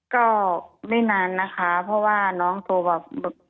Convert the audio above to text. ก็ไม่นานนะคะเพราะว่าน้องโทรมา